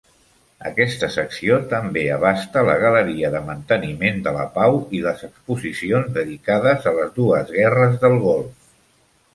Aquesta secció també abasta la Galeria de manteniment de la pau i les exposicions dedicades a les dues guerres del Golf.